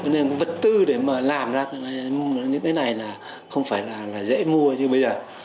nên vật tư để mà làm ra những cái này là không phải là dễ mua như bây giờ